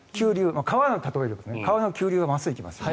川に例えると川の急流は真っすぐ行きますね。